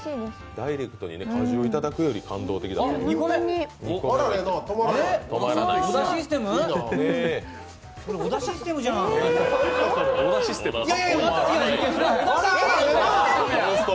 ダイレクトに果汁をいただくよりジューシーと。